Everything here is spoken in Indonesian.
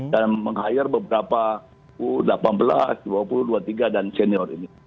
dan menghayar beberapa u delapan belas u dua puluh u dua puluh tiga dan senior ini